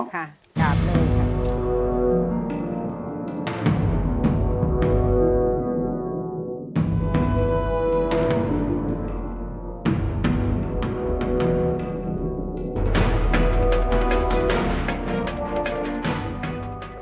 ค่ะกราบเลยค่ะ